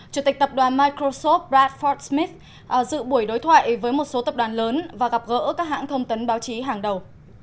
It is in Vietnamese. chủ tịch tập đoàn microsoft brad ford smith dự buổi đối thoại với một số tập đoàn lớn và gặp gỡ các hãng thông tấn báo chí hàng đầu